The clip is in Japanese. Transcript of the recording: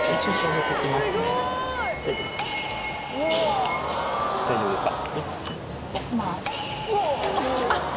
・大丈夫ですか？